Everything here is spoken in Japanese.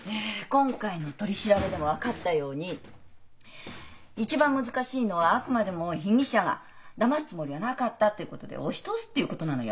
今回の取り調べでも分かったように一番難しいのはあくまでも被疑者が「だますつもりはなかった」ってことで押し通すっていうことなのよ。